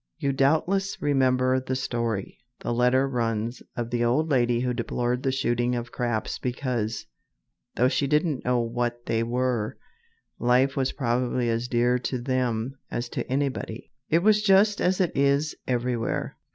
"You doubtless remember the story," the letter runs, "of the old lady who deplored the shooting of craps because, though she didn't know what they were, 'life was probably as dear to them as to anybody.'" "It was just as it is everywhere."